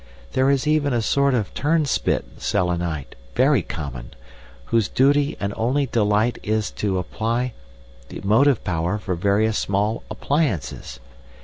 There is even a sort of turnspit Selenite, very common, whose duty and only delight it is to apply the motive power for various small appliances.